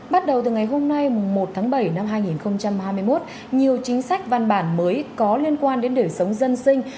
bắt đầu từ ngày hôm nay một tháng bảy năm hai nghìn hai mươi một nhiều chính sách văn bản mới có liên quan đến đời sống dân sinh